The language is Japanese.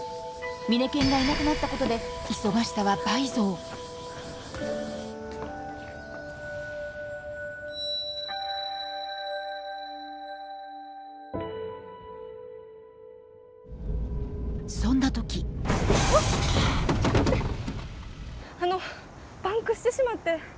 ミネケンがいなくなったことで忙しさは倍増そんな時あのパンクしてしまって。